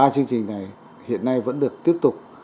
ba chương trình này hiện nay vẫn được tiếp tục